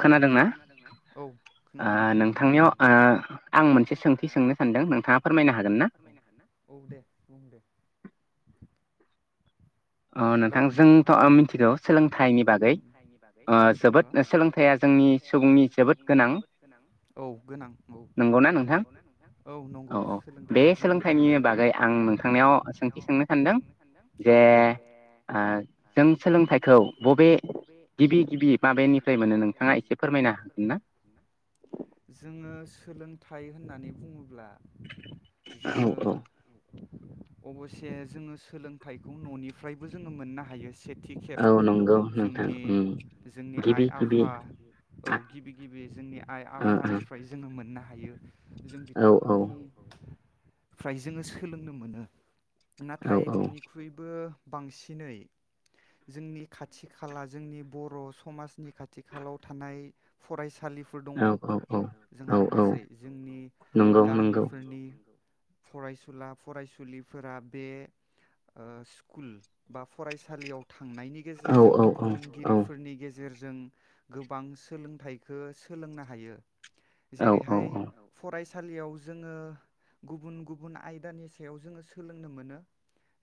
खोनादोंना आह नोंथांनियाव ओ नोंथांनाव [unintelligible] सोंथि सोंनो सानदों नोंथाङा फोरमायनो हागोनना औ दे बुं दे [inaudible] हेलौ औ नोंथां जोंथ' मिथिगौ सोलोंथाइनि बागै जोबोद सोलोंथाइया जोंनि सुबुंनि जोबोद गोनां औ गोनां औ नोंथां औ औ बे सोलोंथाइनि बागै आं नोंथांनियाव सोंथि सोंनो सानदों जे जों सोलोंथाइखौ बबे गिबि गिबि माबेनिफ्राय मोनो नोंथाङा एसे फोरमायनो हागोन ना जोङो सोलों थायो होननानै बुङोब्ला जोङो अबसे जोङो सोलोंथाइखौ न'निफ्रायबो जोङो मोननो हायो सेथि खेब जोंनि जोंनि आइ आफा औ गिबि गिबि जोंनि आइ आफानिफ्राय जोङो मोननो हायो। हायो जों बिथांमोननि फ्राय जोङो सोलोंनो मोनो नाथाय बिनिख्रुइबो बांसिनै जोंनि खाथि खाला जोंनि बर' समाजनि खाथि खालायाव थानाय फरायसा औ औ औ औ औ जोंनि गामिफोरनि फरायसुला फरायसुलिफोरा बे ओ स्कुल बा फरायसालियाव थांनायनि गेजेरजों फोरोंगिरिफोरनि गेजेराव गेजेरजों गोबां सोलोंथाइखो सोलोंनो हायो औ औ औ फरायसालियाव जोङो गुबुन गुबुन आयदानि सायाव जोङो सोलोंनो मोनो।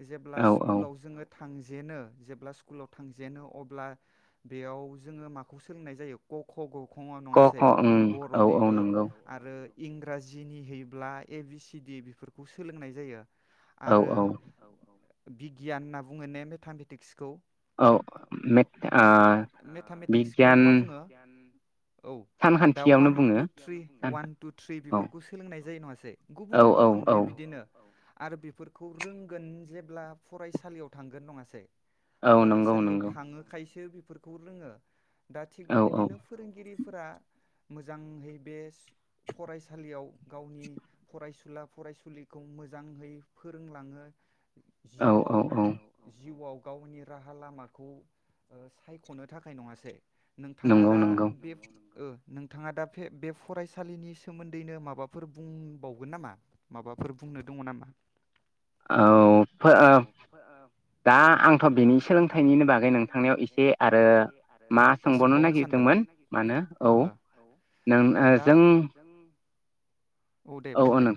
जेब्ला स्कुलाव जोङो थांजेनो जेब्ला स्कुलाव थांजेनो अब्ला बेयाव जोङो माखौ सोलोंनाय जायो क ख ग क ख ओं औ नंगौ ओ इंराजिनि होयोब्ला ए बि सि डि बेफोरखौ सोलोंनाय जायो। आरो औ औ बिगियान होनना बुङो ने मेथामेटिक्सखौ? औ मेथामेटिक्सखौ मा बुङो? औ दा one two three. One two three बेफोरखौ सोलोंनाय जायो नङा? गुबुन गुबुन बेबिदिनो आरो बेफोरखौ रोंगोन जेब्ला फरायसालियाव थांगोन नङासै? फरायसालियाव थाङोखायसो फोरखौ रोङो। दा थिग बेबायदिनो फोरोंगिरिफोरा मोजांहौ बेस्ट फरायसालियाव गावनि फरायसुला फरायसुलिखौ मोजाङै फोरोंलाङो। जिउआव औ औ जिउआव गावनि राहा लामाखौ ओ सायख'नो थाखाय नङासै। नोंथाङा दा बे ओ नोंथाङा दा फे फराय सालिनि सोमोन्दैनो माबाफोर बुंबावगोन नामा माबाफोर बुंनो दङ नामा? औ फो ओ दा आंथ' बिनि सोलोंथाइनिनो बागै नोंथांनिाव एसे आरो मा सोंबावनो नागिरदोंमोन मानो औ नों ओ जों औ दे बुं दे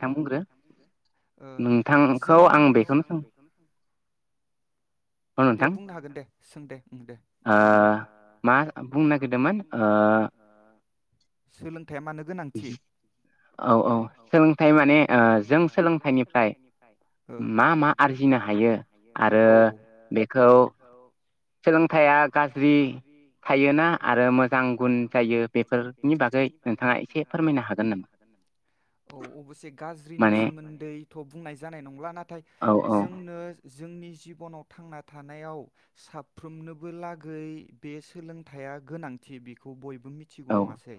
ओ जों दे बुंनो हागोन दे सों दे ओं दे? ओ मा बुंनो नागिरदोंमोन ओ सोलोंथाइया मानो गोनांथि औ औ सोलोंथाइ माने ओ जों सोलोंथाइनिफ्राय ओ मा मा आरजिनो हायो औ आरो औ बेखौ सोलोंथाइया गाज्रि थायोना आरो मोजां गुन जायो बेफोरनि बागै नोंथाङा एसे फोरमायनो हागोन नामा? औ अबस्से गाज्रिनि सोमोन्दैथ' बुंनाय जानाय नंला नाथाय जोंनो जोंनि जिबनाव थांना थानायाव साफ्रोमनोबो लागै बे सोलोंथाइया गोनांथि बेखौ बय बो मिथिगौ नङासै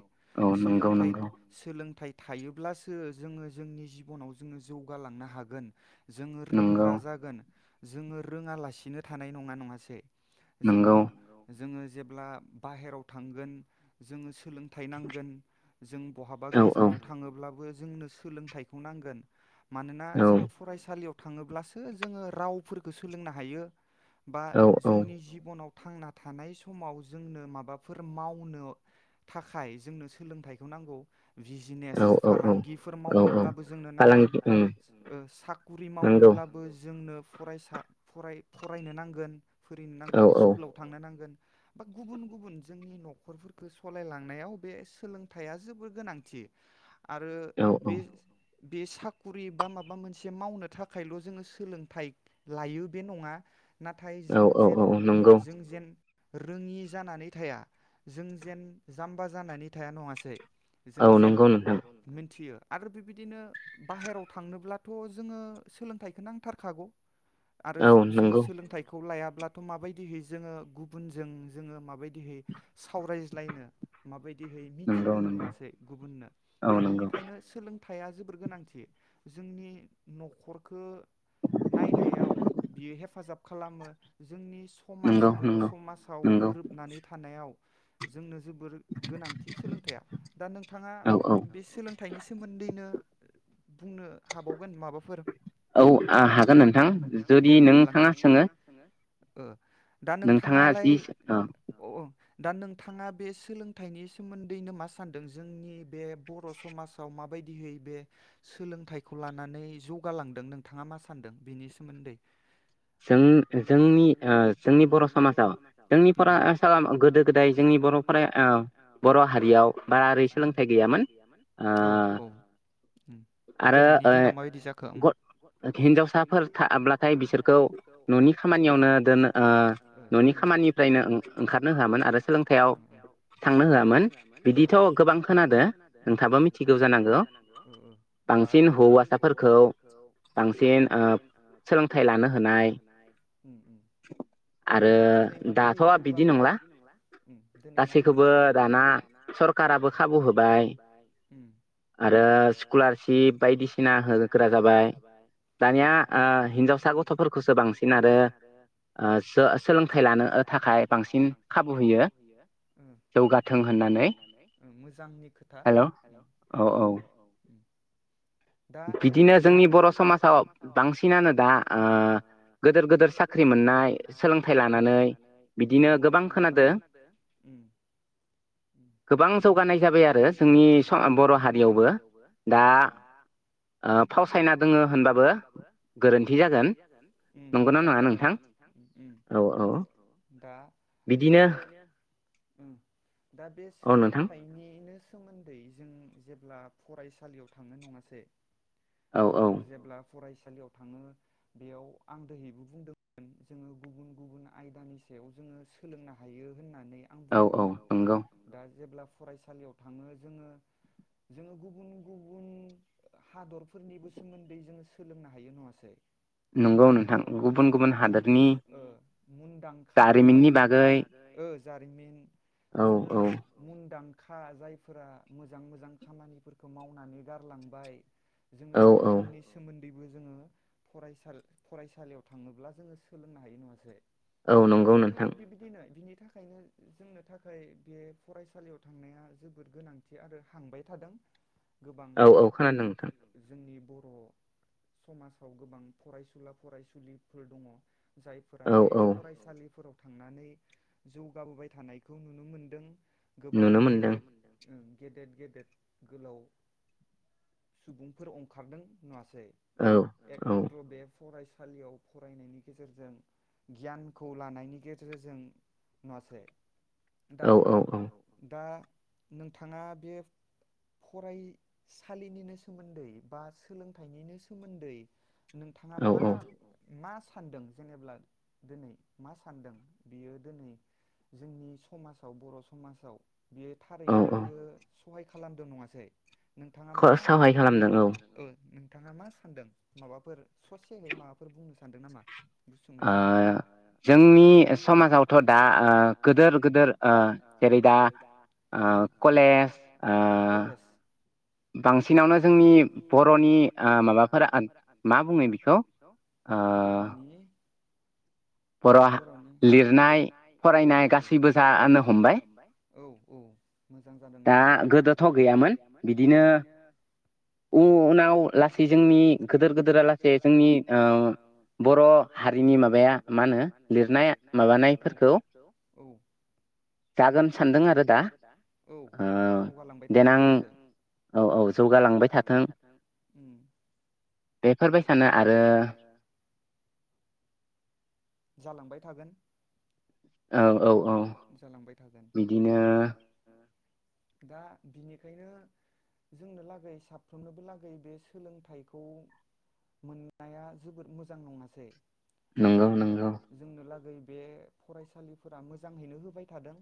सोलोंथाय सोलोंथाय थायोब्लासो जोङो जोंनि जिबनाव जोङो जौगालांनो हागोन। जोङो रोंग्रा जागोन। जोङो रोङालासिनो थानाय नङा नङासे? जोङो जोङोजि जेब्ला बाहेराव थांगोन जोङो सोलों थाय नांगोन जों बहाबा गोजानाव थाङोब्लाबो जोंनो सोलोंथाइखौ नांगोन मानोना जोङो फरायसालियाव थाङोब्लासो जोङो रावफोरखौ सोलोंनो हायो बा जोंनि जिबनाव थांना थानाय समाव जोंनो माबाफोर मावनो थाखाय जोंनो सोलोंथाइखौ नांगौ बिजनेस फालांगिफोर मावनोब्लाबो जोंनो नांगोन साकरि मावनोब्लाबो जोंनो फरायसा फराय फरायनो नांगोन फरायनो नांगोन स्कुलाव थांनो नांगोन। बा गुबुन गुबुन जोंनि न'खरफोरखौ सालायलांनायाव बे सोलोंथाइया जोबोर गोनांथि। आरो बे बे साकरि बा माबा मोनसे मावनो थाखायल' जोङो सोलोंथाइ लायो बे नङा। नाथाय जों जेन जों जेन रोङि जानानै थाया जों जेन जाम्बा जानानै थाया नङासै जों जेन मिथियो आरो बिबायदिनो बाहेराव थांनोब्लाथ' जोङो सोलोंथाइखौ नांथारखागौ। आरो जों सोलोंथाइखौ लाया ब्लाथ' माबायदिहै जोङो गुबुनजों जोङो माबायदिहै सावरायज्लायनो माबायदि दिहै मिथिहोनो नङासै गुबुननो दा बिनिखायनो सोलों थाया जोबोर गोनांथि जोंनि न'खरखो नायनायाव बियो हेफाजाब खालामो जोंनि समाज बर' समाजाव गोरोबनानै थानायाव जोंनो जोबोर गोनांथि सोलोंथाइया दा नोंथाङा बे सोलोंथाइनि सोमोन्दैनो बुंनो हाबाव गोन माबाफोर औ हागोन नों जुदि नोंथाङा सोङो ओ दा नोंथाङालाय औ दा नोंथाङा बे सोलोंथाइनि सोमोन्दैनो मा सान्दों जोंनि बे बर' समाजाव माबायदियै बे सोलोंथाइखौ लानानै जौगालांदों नोंथाङा मा सानदों बेनि सोमोन्दै? जों जोंनि ओ जोंनि बर' समाजाव उम उम जों फ गोदो गोदाय जोंनि बर बर' हारियाव मारै सोलोंथाइ गैयामोन औ औ ओ दिनैनि दिनाव माबायदि जाखो ओम हिनजावसा आब्लाथाय बिसोरखौ बिसोरखौ न'नि खामानियावनो दोन दोनोमोन न'नि खामानिनिफ्रायनो ओंखारनो होआमोन आरो सोलोंथाययाव थांनो होआमोन बिदिथ' गोबां खोनादों नोंसाबो मिथिगौ जानांगौ दा बांसिन हौवासाफोरखौ बांसिन सोलोंथाइ सोलोंथाइ लानो हानाय दा दोनै माबायदि बिदि नंला दि माबायदि दाना सरखाराबो खाबु होबाय आरो स्कुलारशिप बायदिसिना होग्रा जाबाय दानिया हिनजावसा गथ'फोरखौसो बांसिन आरो ओ सोलोंथाइ लानो थाखाय बांसिन खाबु होयो जौगाथों होननानै मोजांनि खोथा हेलौ दे औ औ बिदिनो जोंनि बर' समाजाव बांसिनानो बांसिनानो दा ओ गोदोर गोदोर साख्रि मोननाय सोलोंथाइ लानानै खोनादों गोबां जौगानाय जाबाय आरो जोंनि बर' हारियावबो दा फावसायना दोङो होनबाबो [unintelligible] जागोन मोजां जादों नोंथां दा बे दा बे सोलोंथाइनि बेनो सोमोन्दै जों जेब्ला फरायसालियाव थांनो नङासै जोङो जेब्ला फरायसालियाव थाङो बेयाव आं दहैबो बुंदोंमोन जोङो गुबुन गुबुन आयदानि सायाव जोङो सोलोंनो हायो होननानै। बुंदोंमोन दा जेब्ला फरायसालियाव थाङो जोङो जोङो गुबुन -गुबुन हादरफोरनिबो सोमोन्दै जोङो सोलोंनो हायो नङा [unintelligible] नंगौ गुबुन गुबुन मुंदांखा जायफोर जारिमिन जोङो मुंदां खा जायफोरा मोजां मोजां खामानिफोरखौ मावनानै गारलांबाय जोङो बिथांमोननि सोमोन्दै दैबो जोङो फरायसाल फरायसालियाव थाङोब्ला जोङो सोलोंनो हायो नङासो- बिबायदिनाय बिनि बेनि थाखायनो जोंनो थाखाय बे फरायसालियाव थांनाया जोबोद गोनांथि आरो हांबाय थादों गोबां औ औ खोनादों जोंनि बर' समाज गोबां फरायसुला फरायसुलिफोर दङ। जायफोरा बे फरायसालिफोराव थांनानै जौगाबोबाय थानायखौ नुनो मोनदों। गोबां गेदेर [unintelligible] गेदेद गेदेद गोलाव सुबुंफोर अंखारदों नङा औ एकमाथ्र बेफ फरायसालियाव फरायनायनि गेजेरजों गियानखौ लानायनि गेजेरजों नङासै दा औ औ दा नोंथाङा बे फरायसालिनिनो सोमोन्दै बा सोलोंथाइनिनो सोमोन्दै नोंथाङा मा मा सानदों जेनेब्ला दिनै मा सानदों बियो दिनै जोंनि समाजाव बर' समाजाव बेयो थारैनो बियो सहाय खालामदों नङासै। नोंथाङा मा सहाय खालामदों? नोंथाङा मा सान्दों? माबाफोर ससेहै माबाफोर बुंनो सानदो नामा? ओ जोंनि समाजावथ' दा ओ गोदोर गोदोर ओ जेरै दा ओ कलेज ओ बांसिनावनो जोंनि बर'नि ओ माबाफोरा मा बुङो बेखौ? ओ बर'नि औ औ औ औ औ औ मोजां जादों नङासै औ गोदोर गोदोरा लासै जोंनि ओ बर' हारिनि माबाया औ औ औ जौगालांबाय थादों नङासै उम। बेफोर बायसानो आरो जालांबाय थागोन। औ औ जालांबाय थागोन बिदिनो ओ दा बिनिखायनो जोंनो लागै साफ्रोमनोबो लागै बे सोलोंथाइखौ मोननाया जोबोद मोजां नङासै। नंगौ नंगौ। [unintelligible] लागै बे फरायसालिफोरा मोजाङैनो होबाय थादों।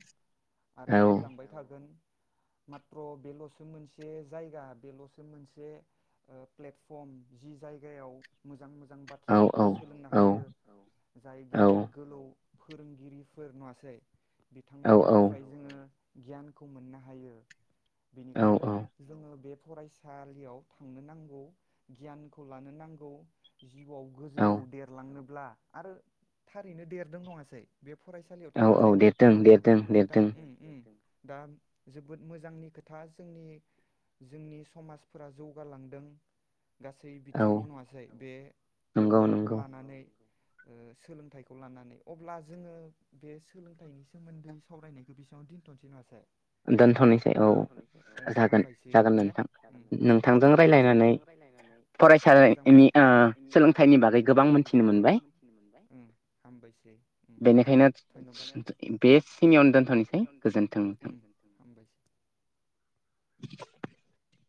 आरो होलांबाय थागोन। माथ्र बेल'सो मोनसे जायगा बेल'सो मोनसे ओ प्लेटफर्म जि जायगायाव मोजां मो जां बाथ्राफोरखौ सोलोंनो हायो औ। जाय गेदेेर गोलौ फोरोंगिरिफोर नङासै। बिथांमोननिफ्राय जोङो गियानखौ मोननो हायो। बेनिखायनो जोङो बे फरायसालियाव थांनो नांगौ गियानखौ लानो नांगौ‌। जिउआव गोजौ देरलांनो [unintelligible] आरो थारैनो देरदों नङासै बे फरायसालियाव थांनानै औ औ दा दा जोबोद मोजांनि खोथा जोंनि जोंनि समाजफोरा जौगालांदों। गासै बिथिङाव नङासै बे माबाखौ लानानै। उम। सोलोंथाइखौ लानानै अब्ला जोङो बे सोलोंथाइनि सोमोन्दै सावरायनायखौ बिसिबाव दोनथ'नोसै नामासाय? दोनथ'नोस नोंथांजों रायलायनानै मोजां फरायसालिनि सोलोंथाइनि बागै गोबां मिथिनो मोनबाय बेनिखायनो बे सिनियावनो दोनथ'निसै गोजोनथों नोंथां आब [inaudible]